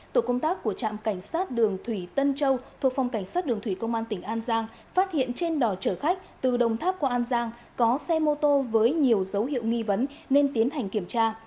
tổ công tác của trạm cảnh sát đường thủy tân châu thuộc phòng cảnh sát đường thủy công an tỉnh an giang phát hiện trên đò chở khách từ đồng tháp qua an giang có xe mô tô với nhiều dấu hiệu nghi vấn nên tiến hành kiểm tra